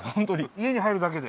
家に入るだけで？